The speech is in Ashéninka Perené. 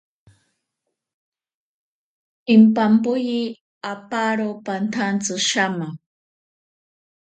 Pimpampoye aparo pantsantsi shama.